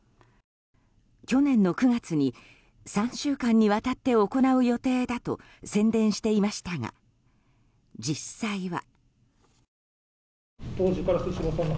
去年の９月に３週間にわたって行う予定だと宣伝していましたが実際は。